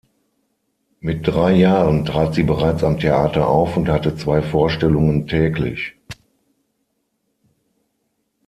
Mit drei Jahren trat sie bereits am Theater auf und hatte zwei Vorstellungen täglich.